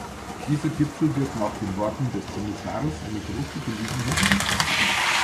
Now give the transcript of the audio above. Dieser Gipfel wird nach den Worten des Kommissars eine große Gelegenheit bieten.